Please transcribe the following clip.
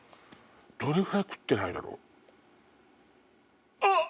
どれぐらい食ってないだろう？